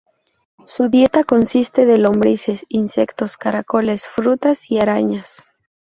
Su dieta consiste de lombrices, insectos, caracoles, frutas y arañas.